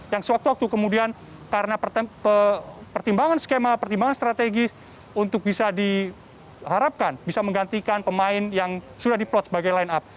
yang sewaktu waktu kemudian karena pertimbangan skema pertimbangan strategis untuk bisa diharapkan bisa menggantikan pemain yang sudah diplot sebagai line up